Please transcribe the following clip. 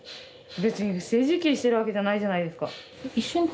別に不正受給してるわけじゃないじゃないですか。